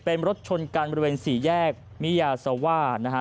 เป็นรถชนกันบริเวณสี่แยกมิยาซาว่านะฮะ